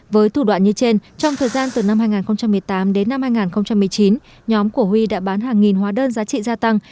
với thủ đoạn như trên trong thời gian từ năm hai nghìn một mươi tám đến năm hai nghìn một mươi chín nhóm của huy đã bán hàng nghìn hóa đơn giá trị gia tăng